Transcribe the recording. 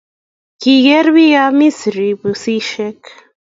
kigeer bik ab misrii pusishek